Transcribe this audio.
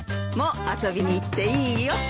もう遊びに行っていいよ。